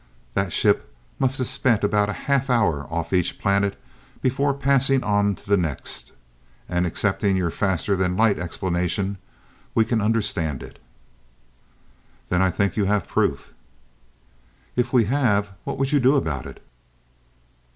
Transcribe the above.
That ship must have spent about half an hour off each planet before passing on to the next. And, accepting your faster than light explanation, we can understand it." "Then I think you have proof." "If we have, what would you do about it?"